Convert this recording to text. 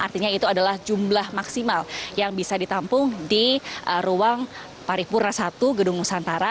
artinya itu adalah jumlah maksimal yang bisa ditampung di ruang paripurna satu gedung nusantara